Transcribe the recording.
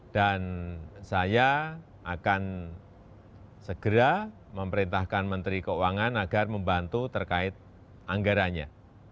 dan saya akan segera memerintahkan menteri keuangan agar membantu terkait anggarannya